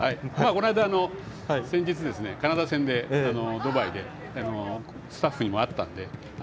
この間、先日カナダ戦でドバイでスタッフにも会ったので。